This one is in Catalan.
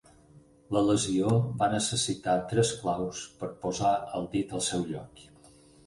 La lesió va necessitar tres claus per posar el dit al seu lloc.